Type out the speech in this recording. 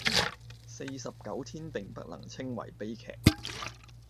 四十九天並不能稱為悲劇